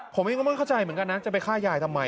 ผมเองก็ไม่เข้าใจเหมือนกันนะจะไปฆ่ายายทำไม